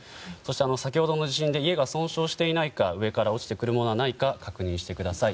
先ほどの地震で家が損傷していないか上から落ちてくるものがないか確認してください。